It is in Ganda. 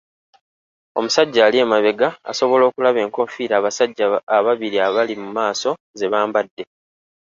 Omusajja ali emabega asobola okulaba enkofiira abasajja ababiri abali mu maaso ze bambadde.